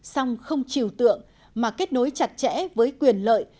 song không chiều tượng mà kết nối chặt chẽ với quyền lợi